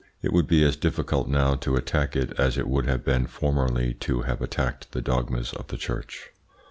It would be as difficult now to attack it as it would have been formerly to have attacked the dogmas of the Church.